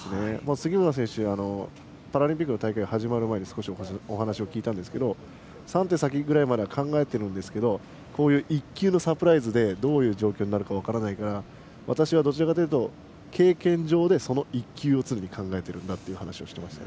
杉村選手、パラリンピックの大会始まる前に少しお話を聞いたんですけど３手先ぐらいまでは考えていますがこういう１球のサプライズでどういう状況になるか分からないから私はどちらかというと経験上で１球を常に考えていると話していました。